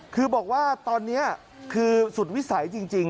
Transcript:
คือบอกว่าตอนนี้คือสุดวิสัยจริง